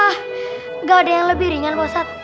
ah nggak ada yang lebih ringan bosan